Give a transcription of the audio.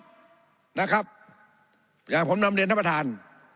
อย่างผมนำเรียนท่านประธาน